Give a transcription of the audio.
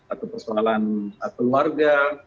atau persoalan keluarga